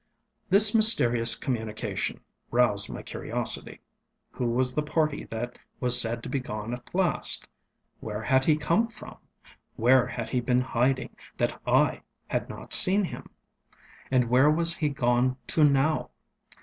ŌĆØ This mysterious communication roused my curiosity. Who was the party that was said to be gone at last? Where had he come from? where had he been hiding, that I had not seen him? and where was he gone to now?